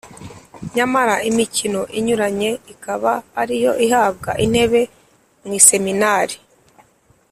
nyamara imikino inyuranye ikaba ariyo ihabwa intebe mu Iseminari.